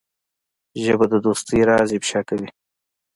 ژبه د دوستۍ راز افشا کوي